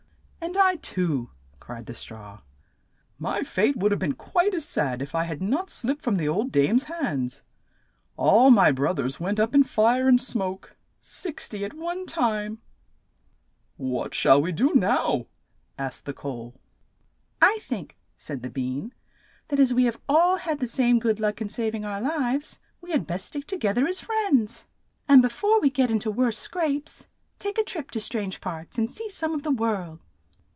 "And I too!" cried the straw. "My fate would have been quite as sad if I had not slipped from the old dame's hands. All my broth ers went up in fire and smoke — six ty at one time." "What shall we do now?" asked the coal "I think," said the bean, '' that as we have all had the same good luck in sav ing our lives, we had best stick to geth er as friends, and be fore THE THREE FRIENDS START ON THEIR TRIP THE STRAW, THE COAL AND THE BEAN 27 we get in to worse scrapes, take a trip to strange parts and see some of the world."